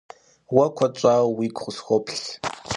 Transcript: Уэ куэд щӏауэ уигу къысхуоплъ.